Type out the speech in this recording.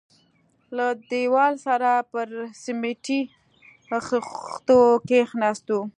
له دېواله سره پر سميټي خښتو کښېناستو.